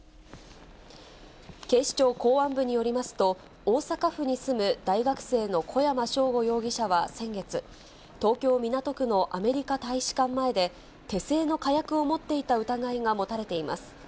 警視庁公安部によりますと、大阪府に住む大学生の小山尚吾容疑者は先月、東京・港区のアメリカ大使館前で、手製の火薬を持っていた疑いが持たれています。